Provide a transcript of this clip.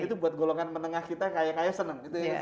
itu buat golongan menengah kita kayak senang